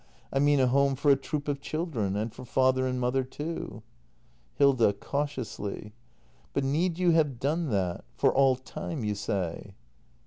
I mean a home for a troop of children — and for father and mother, too. Hilda. [Cautiously.] But need you have done that ? For all time, you say